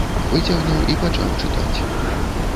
Выцягнуў і пачаў чытаць.